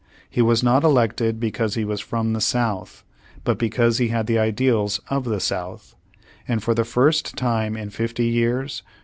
He was not elected because he was fi'om the South, but because he had the ideals of the South. And for the first time in fifty years.